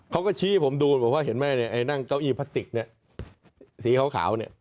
เค้าก็ชี้ผมดูข้างในเก้าอี้พารกฏสีขาวเนี่ย